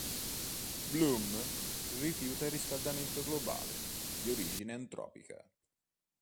Bloom rifiuta il riscaldamento globale di origine antropica.